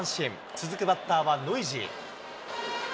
続くバッターはノイジー。